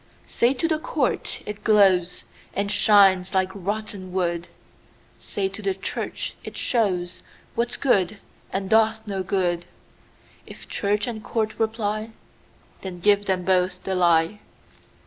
Say to the court, it glowsAnd shines like rotten wood; Say to the church, it showsWhat's good, and doth no good:If church and court reply, Then give them both the lie.